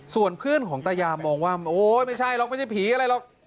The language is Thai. ส่วนเพื่อนของตายามองว่าโอ๊ยไม่ใช่หรอกไม่ใช่ผีอะไรหรอก